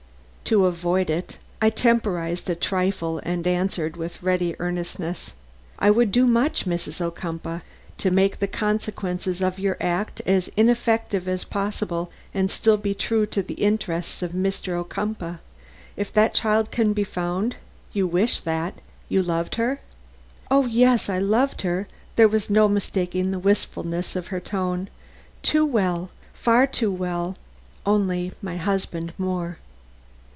To avoid it, I temporized a trifle and answered with ready earnestness: "I would do much, Mrs. Ocumpaugh, to make the consequences of your act as ineffective as possible and still be true to the interests of Mr. Ocumpaugh. If the child can be found you wish that? You loved her?" "O yes, I loved her." There was no mistaking the wistfulness of her tone. "Too well, far too well; only my husband more."